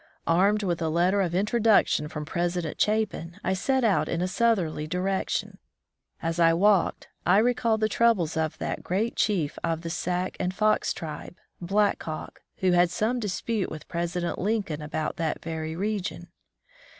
Armed with a letter of introduction from President Chapin, I set out in a southerly direction. As I walked, I recalled the troubles of that great chief of the Sac and Fox tribe. Black Hawk, who had some dispute with President Lincoln about that very region.